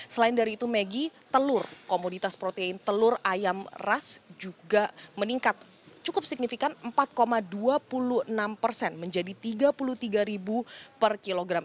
selain dari itu megi telur komoditas protein telur ayam ras juga meningkat cukup signifikan empat dua puluh enam persen menjadi tiga puluh tiga per kilogram